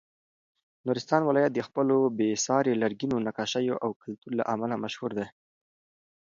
نورستان ولایت د خپلو بې ساري لرګینو نقاشیو او کلتور له امله مشهور دی.